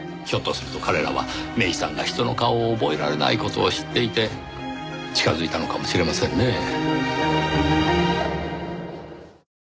ひょっとすると彼らは芽依さんが人の顔を覚えられない事を知っていて近づいたのかもしれませんねぇ。